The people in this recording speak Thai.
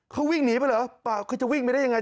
เขาวิ่งหนีไปหรือเขาจะวิ่งไปได้อย่างไร